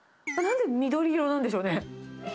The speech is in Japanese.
なんで緑色なんでしょうね。